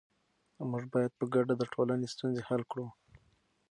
موږ باید په ګډه د ټولنې ستونزې حل کړو.